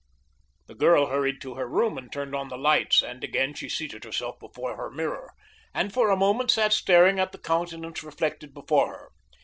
The girl hurried to her room and turned on the lights, and again she seated herself before her mirror, and for a moment sat staring at the countenance reflected before her.